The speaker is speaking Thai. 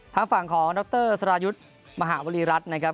ทางฝั่งของดรสรายุทธ์มหาวรีรัฐนะครับ